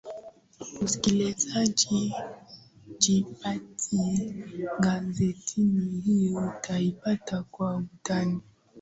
msikilizaji jipatie gazetini hii utaipata kwa undani